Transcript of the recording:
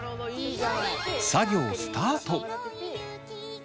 作業スタート。